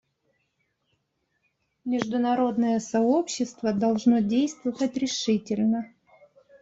Международное сообщество должно действовать решительно.